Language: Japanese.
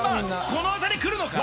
この辺りくるのか？